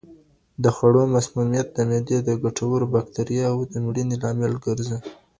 د خوړو مسمومیت د معدې د ګټورو باکټرياوو د مړینې لامل ګرځي.